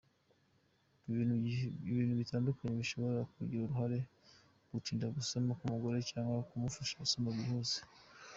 Ibintu bitandukanye bishobora kugira uruhare mu gutinda gusama ku mugore, cyangwa bikamufasha gusama byihuse.